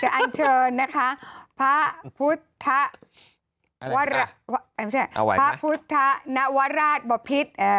จะอาจเชิญพระพุทธนะวราชบำพิษ